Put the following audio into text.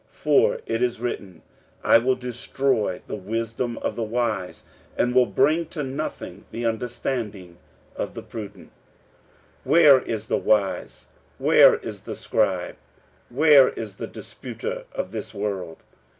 46:001:019 For it is written, I will destroy the wisdom of the wise, and will bring to nothing the understanding of the prudent. 46:001:020 Where is the wise? where is the scribe? where is the disputer of this world?